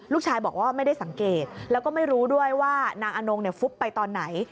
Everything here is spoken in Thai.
ลูกชายบอกว่าไม่ได้สังเกตแล้วก็ไม่รู้ด้วยว่านางอนงฟุบไปตอนไหน